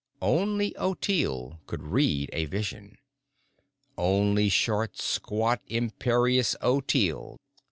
Only Ottilie could read a vision, only short, squat, imperious Ottilie.